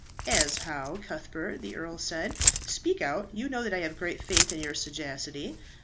"As how, Cuthbert?" the earl said. "Speak out; you know that I have great faith in your sagacity."